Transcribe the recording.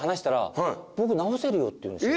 って言うんですよ。